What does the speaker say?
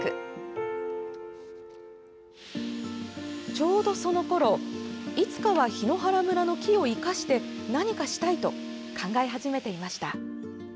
ちょうどそのころいつかは檜原村の木を生かして何かしたいと考え始めていました。